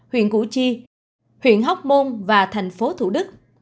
quận chi huyện hóc môn và thành phố thủ đức